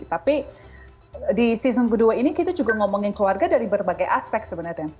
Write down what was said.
tapi di season kedua ini kita juga ngomongin keluarga dari berbagai aspek sebenarnya